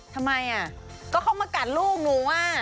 ทำไมอ่ะก็เข้ามากัดลูกหนูอ่ะ